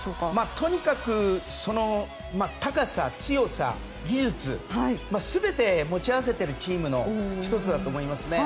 とにかく高さ、強さ、技術全て持ち合わせているチームの１つだと思いますね。